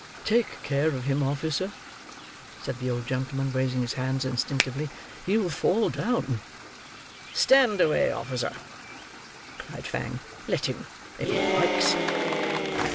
"Take care of him, officer," said the old gentleman, raising his hands instinctively; "he'll fall down." "Stand away, officer," cried Fang; "let him, if he likes."